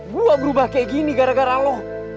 gue berubah kayak gini gara gara lo